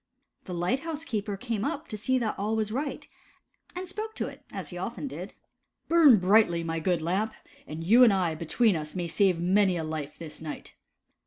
The light house keeper came up to see that all was right, and spoke to it as he often did. " Burn brightly, my good Lamp, and you and I between us may save many a life this night."